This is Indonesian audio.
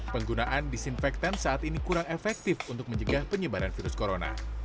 penggunaan disinfektan saat ini kurang efektif untuk mencegah penyebaran virus corona